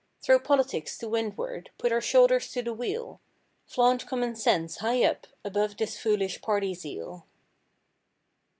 Throw politics to windward. Put our shoulders to the wheel. Flaunt common sense high up above this foolish party zeal.